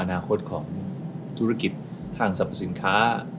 อนาคตของธุรกิจทางสรรพสินค้า